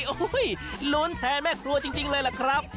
โอ้โหลุ้นแทนแม่ครัวจริงเลยล่ะครับ